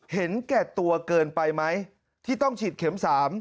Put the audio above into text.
เห็นแก่ตัวเกินไปไหมที่ต้องฉีดเข็ม๓